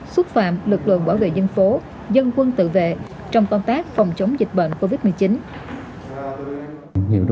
xúc phạm lực lượng bảo vệ dân phố dân quân tự vệ trong công tác phòng chống dịch bệnh covid một mươi chín